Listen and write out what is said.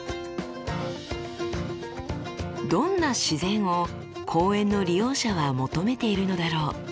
どんな自然を公園の利用者は求めているのだろう。